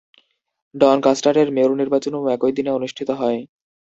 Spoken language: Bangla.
ডনকাস্টারের মেয়র নির্বাচনও একই দিনে অনুষ্ঠিত হয়।